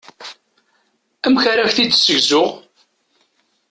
Amek ara k-t-id-ssegzuɣ?